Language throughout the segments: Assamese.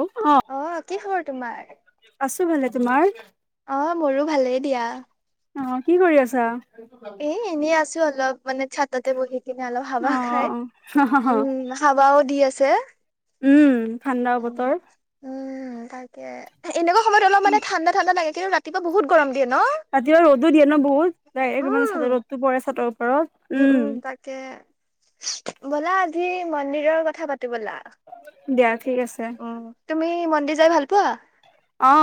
অ আহ কি খবৰ তোমাৰ? আছো ভালে, তোমাৰ? অ মোৰো ভালেই দিয়া। অ কি কৰি আছা? এ এনেই আছো, অলপ মানে চাতাতে বহি কিনে অলপ অ অ হাৱা খাই উম হাৱাও দি আছে। উম ঠাণ্ডা উম বতৰ। উম তাকে এনেুৱা সময়ত অল মানে ঠাণ্ডা ঠাণ্ডা লাগে কিন্ত ৰাতিপুৱা বহুত গৰম। দিয়ে ন ৰাতিপুৱা ৰ'দ টো দিয়ে ন বহুত, ডাইৰেক্ট মানে চাদৰ উম ৰদতো পৰে চাটতৰ ৰ উম উম তাকে ব'লা আজি মন্দিৰৰ কথা পা বলা দিয়া ঠিক আছে উম তুমি মন্দিৰ যাই ভাল পোৱা? অ।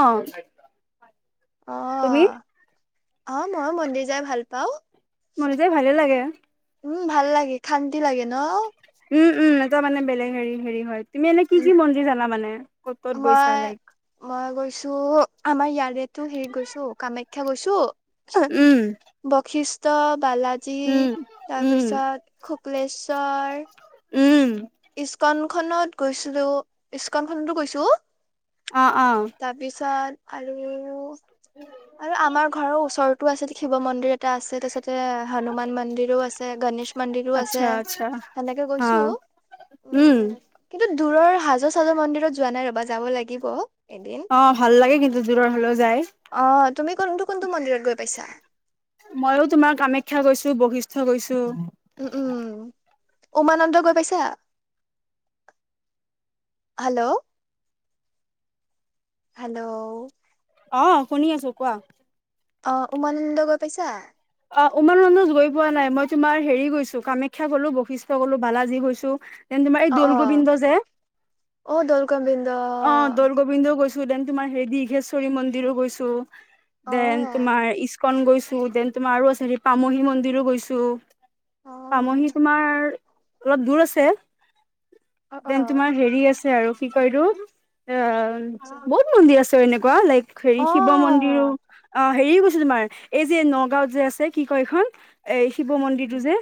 তুমি আহ আহ মই মন্দিৰ যাই ভাল পাও। মন যাই ভালে লাগে। উম ভাল লাগে শান্তি লাগে ন। উম উম এটা মানে বেলেগ হেৰি হেৰি হয় তুমি এনে কি উম কি মন্দিৰ জানা মানে? ক'ত ক'ত গৈছা মই লাইক মই গৈছো আমাৰ ইয়াৰেতো হেৰি গৈছো কামাখ্যা গৈছো উম বশিষ্ঠ বালাজী উম উম তাৰপিছত শুক্লেশ্বৰ, উম ইস্কন খনত গৈছিলো ইস্কন খনতো গৈছো। অ অ তাৰপিছত আৰু আৰু আমাৰ ঘৰৰ ওচৰতো আছিল শিৱ মন্দিৰ এটা আছে তাৰিছতে হনুমান মন্দিৰো আছে গনেশ, মন্দিৰো আচ্ছা আছে আচ্ছা সেনেকে অ গৈছো। উম, দূৰৰ হাজো চাজৰ মন্দিৰত যোৱা নাই ৰবা যাব লাগিব। এদিন অ ভাল লাগে কিন্তু দূৰৰ হলেও যায় অ' তুমি কোনটো-কোনটো মন্দিৰত গৈ পাইছা। ময়ো তোমাৰ কামাখ্যা গৈছো, বশিষ্ঠ গৈছো। উম-উম উমানন্দ গৈ পাইছা? হেল্ল', হেল্ল', অ' শুনি আছো কোৱা? অ' উমানমানন্দ গৈ পাইছা? অ' উমৰ মন্দজ গৈ পোৱা নাই মই তোমাৰ হেৰি গৈছো কামাখ্যা গলো বৈশিষ্ঠ গলো বালাজি গৈছো। তেনেকে তোমাৰ এই অ দৌল অ গোবিন্দ যে অ দৌল গোবিন্দ অ' দৌল গোবিন্দও গৈছো। দেন তোমাৰ হেৰি দীৰ্ঘেশ্বৰী মন্দিৰো গৈছো অ দেন তোমাৰ ইস্কন গৈছো দেন, তোমাৰ আৰু আছে হেৰি পামহি মন্দিৰো গৈছো অ পামহি তোমাৰ, অলপ দূৰ আছে অ অ দেন তোমাৰ হেৰি আছে আৰু কি কৰিলো? আচ্ছা অ' বহুত মন্দিৰ আছে এনেকুৱা লাইক অ হেৰি শিৱ মন্দিৰো অ', হেৰি গৈছো তোমাৰ এই যে নগাঁওত যে আছে কি কয় এইখন এই শিৱ মন্দিৰটো যে।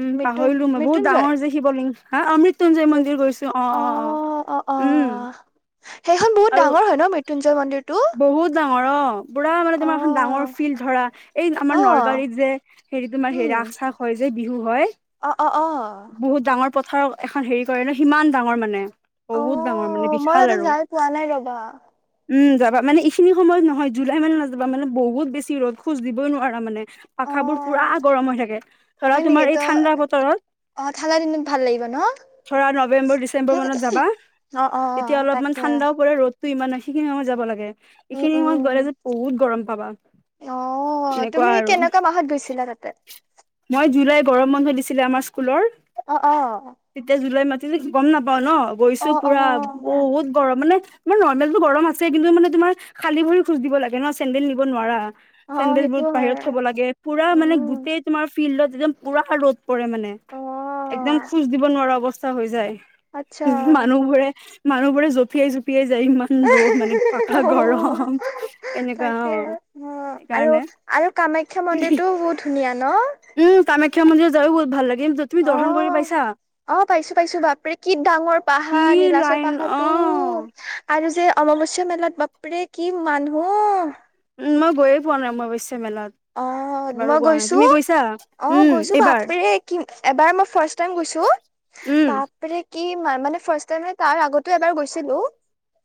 উম, মৃত্যুন পাহৰিলো মই বহুত মৃত্যুঞ্জয় ডাঙৰ যে শিৱলিংগ হা অমৃত। সৃত্যুঞ্জয় মৃ মন্দিৰ গৈছো অ অ-অ-অ অ অ উম, সেইখন বহুত আৰু ডাঙৰ হয় ন মৃত্যুঞ্জয় মন্দিৰটো। বহুত ডাঙৰ অ', পুৰা মানে অ তোমাৰ এখন ডাঙৰ ফিল্ড ধৰা এই আমাৰ অ নলবাৰীত যে হেৰি তোমাৰ হে ৰাস চাগ হয় যে। বিহু হয়। অ-অ-অ, পথাৰত এখন হেৰি কৰে ন সিমান ডাঙৰ মানে অ বহুত ডাঙৰ মানে মই তাতে বিশাল আৰু। যাই পোৱা নাই ৰবা। উম, যাবা মানে এইখিনি সময়ত নহয় জুলাই মানে নাযাবা মানে বহুত বেছি ৰ'দ খোজ দিবই নোৱাৰা মানে। অ আখাবোৰ পুৰা গৰম হৈ থাকে ধৰা হয় তোমাৰ নেকি ত এই ঠাণ্ডা বতৰত, অ ঠাণ্ডা দিনত ভাল লাগিব ন ধৰা নৱেম্বৰ, ডিচেম্বৰ অ মানত যাবা অ তেতিয়া অলপমান তাকে ঠাণ্ডাও পৰে ৰদতটো ইমান সেইখিন সময় যাব লাগে। উম এইখিনি উম সময়ত গলে যে বহুত গৰম পাবা। অ' এনেকুৱা তুমি আৰু কেনেকুৱা মাহত গৈছিলা তাতে? মই জুলাই গৰম বন্ধ দিছিলে আমাৰ স্কুলৰ অ অ তেতিয়া জুলাই ম কিন্ত গম নাপাও ন অ গৈছো অ পুৰা বহুত গৰম মানে নৰ্মেলটো গৰম আছে কিন্তু মানে তোমাৰ খালী ভৰি খোজ দিব লাগে ন চেডেল নিব নোৱাৰা। অ অ চেডেল সেইটো বোৰত বাহিৰত হয় থ'ব লাগে পুৰা মানে উম গোটেই তোমাৰ ফিল্ডত, একদম পুৰাষৰ ৰ'দ পৰে মানে অ একদম খোজ দিব নোৱাৰা অৱস্থা হৈ যায়। আচ্ছা উ, মানুহবোৰে, মানুহবোৰে জঁপিয়াই-জপিয়াই যে ইমান ৰৌ মানে অ পকা গৰম এনেকুৱা তাকে অ আৰু সেইকাৰনে। আৰু কামাখ্যা মন্দিৰটোও বহুত ধুনীয়া। ন উম, কামাখ্যা মন্দিৰত যায়ও বহুত ভাল লাগে কিন্তু তুমি অ দৰ্শন কৰি পাইছা। অ' পাইছো-পাইছো বাপৰে কি ডাঙৰ কি পাহাৰ নীলাচৰ লাইন পাহা অ টো আৰু যে অমংগ আচ মেলাত বাপৰে কি মানুহ। উম, মই গৈয়ে পোৱা নাই অৱশ্যে মেলাত। অ' এবাৰো মই গোৱা নাই গৈছো তুমি গৈছা অ' উম গৈছো এইবাৰ বাপৰে কি এবাৰ মই ফাৰ টাইম গৈছো। উম বাপৰে কি মানে? মানে ফাৰ্ষ্ট টাইমে, তাৰ আগতো এবাৰ গৈছিলো।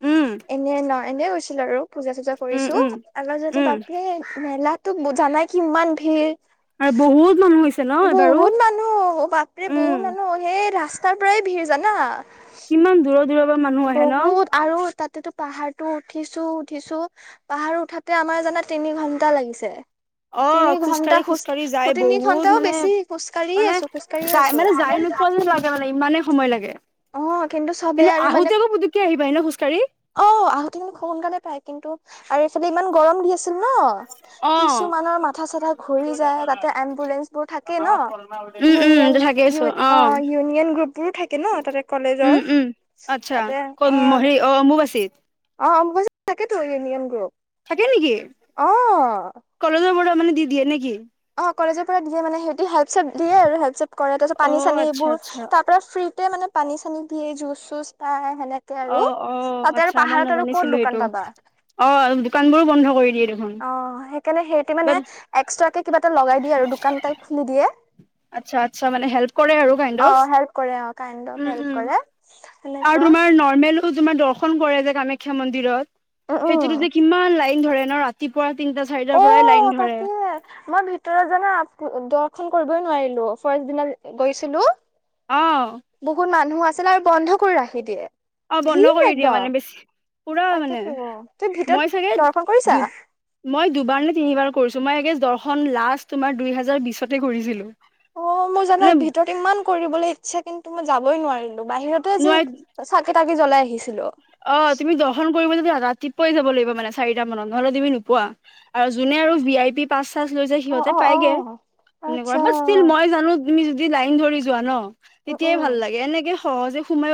উম এনে, নহ। এনে গৈছিলো আৰু, পূজা চুজা উম কৰিছো। উম আল্লা যাতে উম বাপে মেলাত। তোক [unintelligible] জানাই কিমান ভিৰ? আৰু বহুত। মানুহ হৈছে ন এবাৰো বহুত মানুহ, বাপৰে উম বহুত মানুহ। সেই ৰাস্তাৰ পৰাই ভিৰ জানা? কিমান দূৰৰ দূৰৰ। পৰা মানুহ আহে ন বহুত, আৰু তাত। সেইটোতো পাহাৰটো উঠিছো, উঠিছো। পাহাৰ উঠাতে আমাৰ জানা তিনি ঘন্টা লাগিছে। অ তিনি খোজকাঢ়ি ঘন্টা খোজ খোজকাঢ়ি যাই কাঢ়ি। তিনি বহুত ঘন্টাও মানে বেছি খোজ কাঢ়ি আছো খোজ কাঢ়িয়ে আছো। এনেকোৱা যেন লাগে মানে, ইমানেই সময় লাগে। অ', কিন্তু চবেই আৰু মানে? কি আহিবা এনেও খোজ কাঢ়ি। অ', আহুতে কিন্ত খুব সোনকালে পায়। কিন্তু, আৰু এইফালে ইমান গৰম দি আছে। নহ, অ কিছুমানৰ মাথা চাথা ঘূৰি যায়। তাতে এম্বুলেন্সবোৰ থাকে নহ। উম উম ইউনিয়ন থাকেইছো ইউ অ, ইউনিয়ন গ্ৰুপবোৰো থাকে নহ তাতে? উম কলেজৰ। উম আচ্ছা তাতে অ'। হেৰি অ অম্বুবাচীত অ', মই [unintelligible] তাকেতো ইউনিয়ন গ্ৰুপ। থাকে নেকি? অ'। কলেজৰ পৰা মানে, দি দিয়ে নেকি? অ', কলেজৰ পৰা দিয়ে মানে, সিহঁতি হেল্প চেল্প দিয়ে আৰু। হেল্প চেল্প কৰে, তাৰপিছত অ পানী আচ্ছা চানীবোৰ। আচ্ছা তাৰ পৰা ফ্ৰীল। [unintelligible] মানে, পানী চানী দিয়ে। জুচ, চুচ পায়। সেনেকে আৰু। অ', অ', তাতে আৰু আচ্ছা আমাৰ পাহাৰত আৰু ক'ত নাজানিছিলো দোকান সেইটো। পাবা। অ, দোকান বোৰো বন্ধ কৰি দিয়ে। দেখোন অ', সেইকাৰণে সেহিঁতে মানে, বাট এক্সট্ৰাকে কিবা এটা লগাই দিয়ে আৰু। দোকান টাইপ খুলি দিয়ে। আচ্ছা, আচ্ছা মানে হেল্প কৰে আৰু। অ [unintelligible] হেল্প কৰে অ kind of um, help um. কৰে সেনেকুৱা আমাৰ নৰ্মেলো। তো তোমাৰ দৰ্শন কৰে যে, কামাখ্যা মন্দিৰত। সেইটোতো উম যে কিমান, লাইন ধৰে নহ ৰাতিপুৱা। তিনটা চাৰিটাৰ পৰাই লাইন অ', ধৰে তাকেই! মই ভিতৰত জানা, আপ-দ। দৰ্শন কৰিবই নোৱাৰিলো। ফাষ্ট দিনা গৈছিলো। অ বহুত মানুহ আছিলে, আৰু বন্ধ কৰি ৰাখি দিয়ে। অ', বন্ধ ভিৰ কৰি দিয়ে একদম মানে? বেছি, পুৰা মানে। তাকেতো তুমি ভিতৰত মই চাগে, দৰ্শন কৰিছা দু। মই দুবাৰ নে, তিনিবাৰ কৰিছো। মই। [unintelligible] দৰ্শন, লাষ্ট তোমাৰ দুই হাজাৰ বিশতে কৰিছিলো। অ', মই জানা, মানে ভিতৰত ইমান কৰিবলৈ ইচ্ছা। কিন্তু, মই যাবই নোৱাৰিলো। বাহিৰতে যে, নোৱাই চাকি তাকি জ্বলাই আহিছিলো। অ', তুমি দৰ্শন কৰিব যেতিয়া, ৰাতিপুৱাই যাব লাগিব মানে। চাৰিতা মানত, নহলে তুমি নোপোৱা। আৰু জোন। [unintelligible] লৈ যায় অ সিহঁতে অ পাইগে। অ এনেুৱা, আচ্ছা বাত ষ্টিল মই জানো তুমি যদি লাইন ধৰি যোৱা নহ? উম তেতিয়াই উম ভাল লাগে, এনেকে সহজে সো।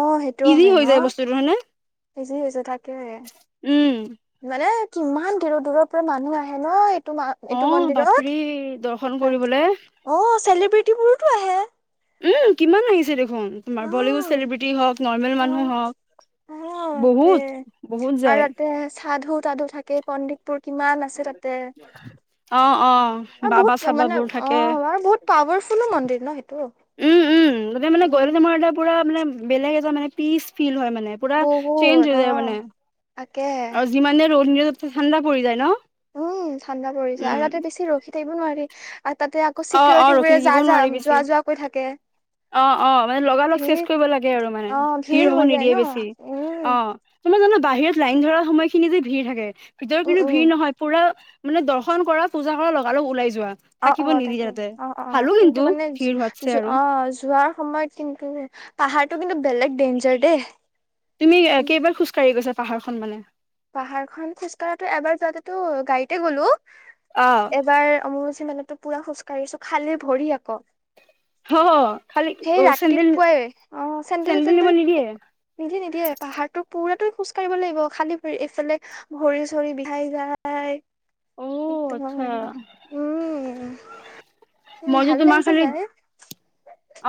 অ', সেই। সেইটো হয় নহ? [unintelligible] হৈছে থাকে। উম মানে? কিমান, দূৰৰ দূৰৰ পৰা মানুহ আহে নহ? এইটো মা অ এইটো মন্দিৰত। বাপৰে দৰ্শন তাত। কৰিবলে অ', চেলিব্ৰিটিবোৰোতো আহে। উম, কিমান আহিছে দেখোন। তোমাৰ বলীউড উম চেলিব্ৰিটি হওক, নৰ্মেল মানুহ আহে হওক। তাতে বহুত। বহুত, আৰু যায়। তাতে [unintelligible] থাকে পণ্ডিত। বোৰ কিমান, আছে তাতে। অ অ আৰু বাবা বহুত মানে চাবাবোৰ অ, থাকে আৰু বহুত পাৱাৰ। [unintelligible] মন্দিৰ ন সেইটো? [unintelligible] পুৰা, উম চেঞ্জ হৈ যায় মানে। আৰু, যিমানে বহুত দ অ ৰ'দ নিদক তাকে ঠাণ্ডা পৰি যায় নহ? উম, ঠাণ্ডা পৰিছে। আৰু, তাতে বেছি ৰখি থাকিব নোৱাৰি। আৰু, তাতে আক। আকৌ অ', অ', চিকিউৰিটি ৰখি বোৰে যা, থাকিবও যা। নোৱাৰি বেছি। যোৱা, যোৱা কৈ থাকে। অ অ মানে লগালগ চেষ্ট ভিৰ কৰিব লাগে আৰু মানে অ ভিৰ হব হৈ যায় নিদিয়ে ন বেছি অ উম মই জানো বাহিৰত লাইন ধৰা সময়খিনি যে ভিৰ থাকে ভিতৰ উম কিন্তু উম ভিৰ নহয় পুৰা মানে দৰ্শন কৰা পুজা কৰা লগগ ওলাই যো অ অ তাকে অ অ অ কিন্তু মানে ভিৰ হোৱাতছে আৰু অ যোৱা সময়ত কিন্তু পাহাৰতটো কিন্তু বেলেগ ডেঞ্জাৰ দেই তুমি কেইবাৰ খোজকাঢ়ি গৈছ পাহাৰখন মানে পাহাৰ খন খোজ কঢ়াাতটো এবাৰ যোৱাতেতো গাড়ীতে গ'লো অ', এবাৰ মোৰ যিমানো পুৰা খোজ কঢ়িছো খালে ভৰি আকৌ হ খালি সেই অ', চেন্দেল ৰাতিপুৱাই অ চেডেল চেণ্ডেল নিব তেেণ্ডেল নিদিয়ে? নিদে নিদিয়ে পাহাৰটো পুৰাতো খোজ কঢ়িব লাগিব খালী ভৰি এইফালে ভৰি চৰি বিহাই যায় স অ' তোম আচ্ছা উম উম মইতো ভাল তোমাৰ লাগিছে খালি যাই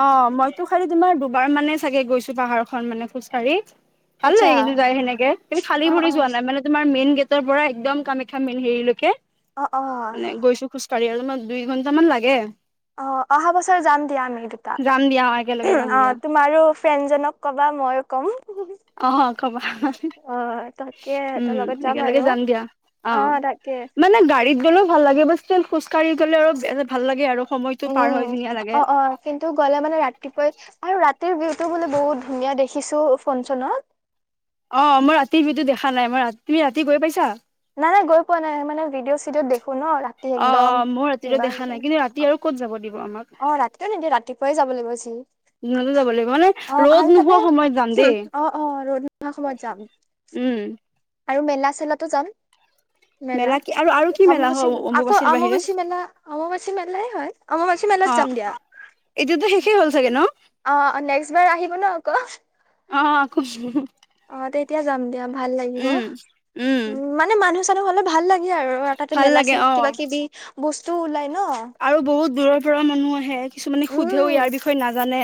অ মইতো খালি তোমাৰ এবাৰ মানে চাগে গৈছো পাহাৰ খন মানে খোজকাঢ়ি ভাল আচ্ছা লাগে কিন্তু যাই সেনেকে কিন্তু খালী অ অ ভৰি যোৱা নাই মানে তোমাৰ মেইন গেট ৰ পৰা একদম কামেখাম মেল হেৰিলৈকে অ অ কিমত দুই ঘণ্টামান লাগে অ অহা বছৰ যাম দিয়া আমি দুতা যাম দিয়া একেলগে যাম অ দিয়া তোমাৰো ফ্ৰেণ্ডজনক কবা মইো ক'ম আহ খবৰ ন অ তাকে সিহঁতৰ উম লগত একেলগে আৰু যাম দিয়া অ মানে গাড়ীত গলেও ভাল লাগে বস্তু এক খজ কঢ়ি গলে অলপ ভাল লাগে আৰু সময়টো পাৰ হয় উম ধুনীয়া লাগে। অ অ কিন্তু গলে মানে ৰাতিপুৱাই আৰু ৰা বিটো বোলে বহুত ধুনীয়া দেখিছো ফনচনত অ মই ৰাতি সো দেখা নাই মই ৰাতি তুমি ৰাতি গৈ পাইছা নাই নাই গ পোৱাাই মে ভিডিঅ চিডিঅ' দেখি শুন ৰাতি অ অ একদম মই ৰাতিটো কিবা দেখা নাই কিন্তু ৰাতি আৰু ক'ত যাব দিব আমাক অ ৰাতিয়ও নিদিয়ে ৰাতিপুৱাই যাব লাগিব সি যিনতে যাব লাগিব মানে ৰ'দ নোহোৱা সময়ত যাম দেই অ অ ৰ'দ নোহোৱা সময়ত যাম উম আৰু মেলা চেলাাতো যাম মেল মেলা কি আৰু আৰু কি আমা মেলা হয় ম আকৌ অম্বুবাচীৰ বাহিৰে আমবাছী ম আমাচী মেলাই হয় আমাবাী অ য দিয়া এতিয়াতো শেষেই হ'ল চাগে ন অ নেক্স বাৰ আহিব ন আক অ খ অ তেতিয়া যাম দিয়া ভাল লাগিব উম মানে মানুহ হলে ভাল লাগে আৰু তাতে ভাল মেলা চ লাগে অ কিবা কিবি বস্তু ওলাই ন আৰু বহুত দূৰৰ পৰা মানুহ আহে কিছুমানে সোধেও উম ইয়াৰ বিষয়ে নাজানে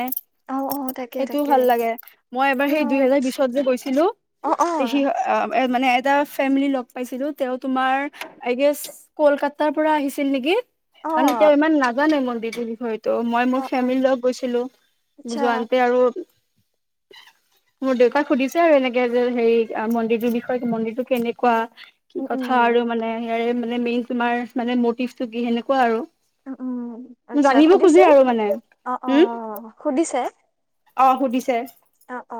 অ অ তাকে সেইটোও তাকে ভাল লাগে মই এবাৰ অ সেই দুইহেজাৰ বিশত যে গৈছিলো অ অ তে সি আহ এ মানে এটা ফেমিলি লগ পাইছিলো তেওঁ তোমাৰ আই গেছ কলকাতাৰ পৰা আহিছিল নেকি অ মানে তেওঁ ইমান নাজানে মোৰ বিদিৰ বিষয় ত' মই মোৰ অ ফেমিলি লগ গৈছিলো আচ্ছা যোৱতে আৰু মোৰ দেউতাক সুধিছে আৰু এনেকে যে হেৰি মন্দিৰটোৰ বিষয়ে মন্দিৰটো কেনেকুৱা কি উম কথা উম আৰু মানে ইয়াৰে মানে মেইন তোমাৰ মানে মটিভটো কি সেনেকুৱা আৰু উ উম আচ্ছা জানিব খোজে সুধিছে আৰু মানে অ অ উম সুধিছে অ সুধিছে অ অ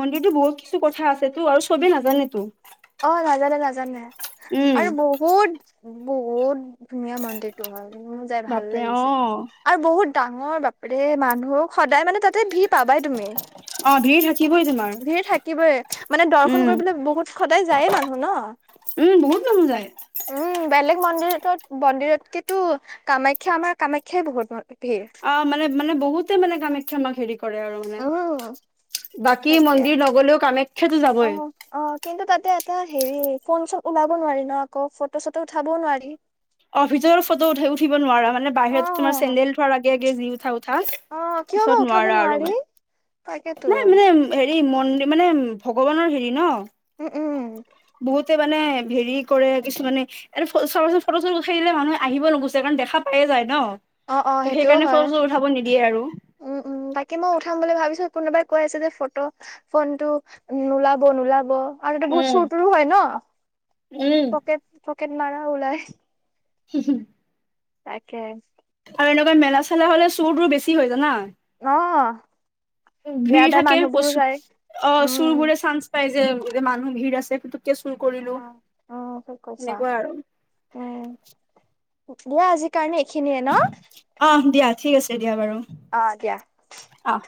মন্দিৰতো বহুত কিছু কথা আছে তো আৰু চবেই নাজানে তো অ', নাজানে, নাজানে আৰু বহুত, বহুত ধুনীয়া মন্দিৰ টো হ'ল মোৰ যাই ভাল বাপৰে অ লাগিছে আৰু বহুত ডাঙৰ বাপেৰে মানুহক সদায় মানে তাতে ভিৰ পাবাই তুমি অ ভিৰ থাকিবই তোমাৰ ভিৰ থাকিবই মানে দৰ্শন উম, কৰিবলৈ বহুত সদায় যায়ে মানুহ ন' উম, বহুত মানুহ যায়। উম। বেলেগ মন্দিৰত মন্দিৰতকেতো কামাখ্যা আমাৰ কামাখ্যাই বহুত ম অ', মানে মানে বহুতে মানে কামাখ্যা মাক হেৰি কৰে আৰু মানে। উম বাকী তাকে। মন্দিৰ নগলেও কামে অ', অ', কিন্তু তাতে তাৰ হেৰি ফোন চব ওলাব নোৱাৰি ন' আকৌ ফটো চটো উঠাবও নোৱাৰি অ', ভিতৰত ফটো উঠাই উঠিব নোৱাৰা মানে অ বাহিৰত তোমাৰ চেণ্ডেল থোৱাৰ আগে আগে যি ঠা অ কিয় পিছত বা উঠাব নোৱাৰা আৰু নোৱাৰি তাকেতো মানে নাই মানে হে এই ম মানে ভগৱানৰ হেৰি ন'। উম, উম। বহুতে মানে হেৰি কৰে কিছুমানে [unintelligible] [unintelligible] দিলে মানুহ আহিব লগুছে কাৰণখা পাই যায় ন'। অ', অ', ত' সেইটোও সেইকাৰণে হয, ফটো চটো উঠাব নিদিয়ে আৰু উম, উম, বাকী মই উঠাম বুলি ভাবিছো কোনোবাই কৈ আছে যে ফটো ফোন টো নোলাব নোলাব। আৰু এতে বহুত উম, চুৰ তুৰো হয় ন' উম। পকেট পকেট মাৰা ওলাই [inaudible] তাকে আৰু এনেকুৱা মেলা চেলা হ'লে চুৰ তোৰ বেছি হৈ জানা। অ ভিৰ বেয়া বেয়া থাকে মানুহবোৰো পচু যায় অ', উম চুৰবোৰে চান্স পাই যায়। যে যে মানুহ ভিৰ আছে কিন্তু কে চুৰ অ কৰিলো উম ঠিক কৈছা সেনেকুৱা আৰু কঠ আজিকাৰণে খিনিয়ে ন' অ দিয়া ঠিক আছে দিয়া বাৰু অ', দিয়া। অহ